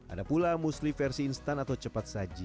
ada pula musli versi instan atau cepat saji